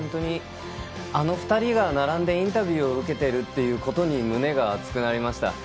あの２人が並んでインタビューを受けているということに胸が熱くなりました。